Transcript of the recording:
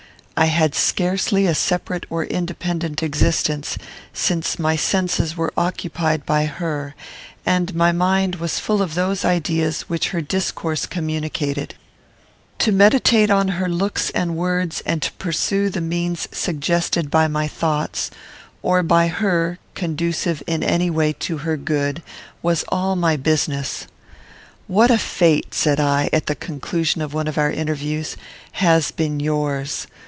I had scarcely a separate or independent existence, since my senses were occupied by her, and my mind was full of those ideas which her discourse communicated. To meditate on her looks and words, and to pursue the means suggested by my own thoughts, or by her, conducive, in any way, to her good, was all my business. "What a fate," said I, at the conclusion of one of our interviews, "has been yours!